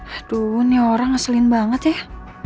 aduh nih orang asliin banget ya